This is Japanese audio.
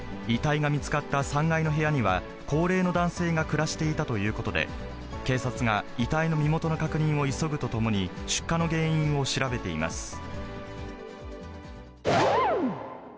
遺体が見つかった３階の部屋には、高齢の男性が暮らしていたということで、警察が遺体の身元の確認を急ぐとともに、出火の原因を調べています。